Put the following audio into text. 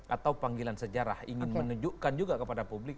atau panggilan sejarah ingin menunjukkan juga kepada publik